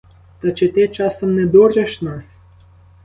Та чи ти часом не дуриш нас?